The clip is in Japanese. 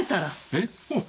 えっ！？